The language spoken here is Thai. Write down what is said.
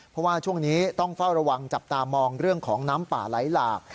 เพราะว่าช่วงนี้ต้องเฝ้าระวังจับตามองเรื่องของน้ำป่าไหลหลาก